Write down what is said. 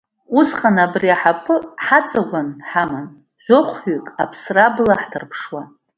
Убасҟан абри аҳаԥы ҳаҵагәан ҳаман, жәохәҩык аԥсра абла ҳҭарԥшуа…